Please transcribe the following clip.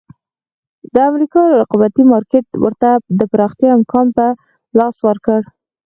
د امریکا رقابتي مارکېټ ورته د پراختیا امکان په لاس ورکړ.